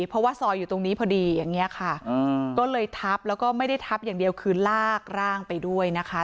เพราะว่าซอยอยู่ตรงนี้พอดีอย่างนี้ค่ะก็เลยทับแล้วก็ไม่ได้ทับอย่างเดียวคือลากร่างไปด้วยนะคะ